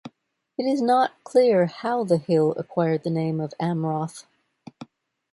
It is not clear how the hill acquired the name of Amroth.